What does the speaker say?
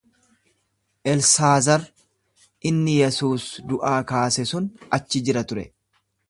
Elsaazar inni Yesuus du’aa kaase sun achi jira ture.